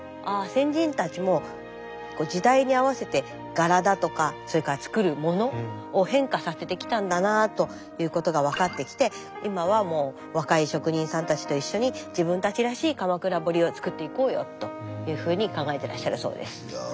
先人たちも時代に合わせて柄だとかそれから作るものを変化させてきたんだなということが分かってきて今はもう若い職人さんたちと一緒に自分たちらしい鎌倉彫を作っていこうよというふうに考えてらっしゃるそうです。